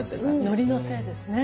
のりのせいですね。